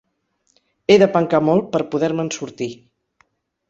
He de pencar molt per poder-me'n sortir.